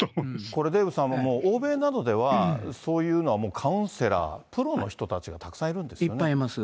これ、デーブさん、欧米などではそういうのはもうカウンセラー、プロの人たちがたくいっぱいいます。